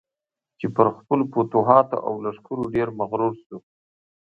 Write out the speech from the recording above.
چې پر خپلو فتوحاتو او لښکرو ډېر مغرور شو.